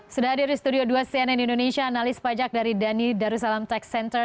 sudah hadir di studio dua cnn indonesia analis pajak dari dhani darussalam tax center